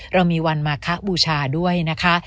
เรามีวันมาคะบูชาด้วยนะคะ